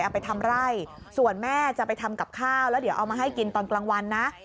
เอาไปทำไร่ส่วนแม่จะไปทำกับข้าวแล้วเดี๋ยวเอามาให้กินตอนกลางวันนะ